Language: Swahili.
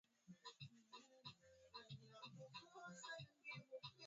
viongozi wa Jumuia ya kiuchumi ya nchi za Afrika ya magharibi